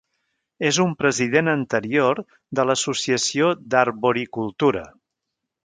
És un president anterior de l"Associació d"arboricultura.